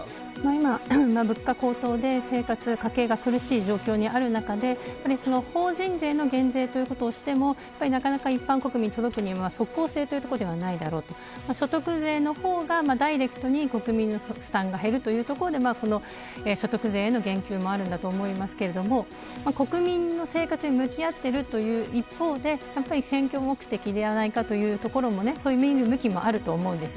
今、物価高騰で家計が苦しい状況にある中で法人税の減税ということをしても一般国民には届くには即効性はないだろうというところで所得税の方がダイレクトに国民の負担が減るというところで所得税の言及もあると思いますが国民の生活に向き合っているという一方で選挙目的ではないかというところも見えるところがあります。